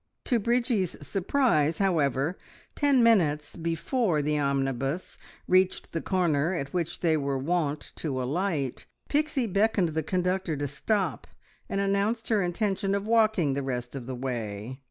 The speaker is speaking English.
To Bridgie's surprise, however, ten minutes before the omnibus reached the corner at which they were wont to alight, Pixie beckoned to the conductor to stop, and announced her intention of walking the rest of the way.